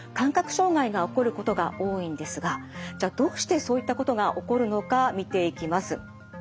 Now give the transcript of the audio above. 障害が起こることが多いんですがじゃあどうしてそういったことが起こるのか見ていきます。